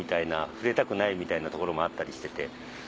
触れたくないみたいなところもあったりしてて。